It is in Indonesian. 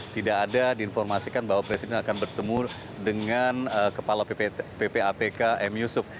tidak ada diinformasikan bahwa presiden akan bertemu dengan kepala ppatk m yusuf